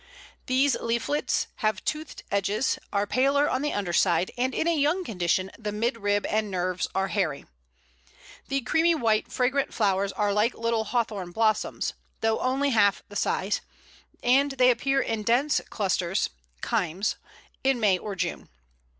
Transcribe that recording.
These leaflets have toothed edges, are paler on the underside, and in a young condition the midrib and nerves are hairy. The creamy white fragrant flowers are like little Hawthorn blossoms, though only half the size, and they appear in dense clusters (cymes) in May or June.